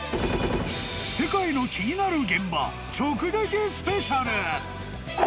世界の気になる現場直撃スペシャル。